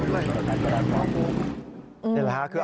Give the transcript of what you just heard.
บัตรกำลังรั้งเมือง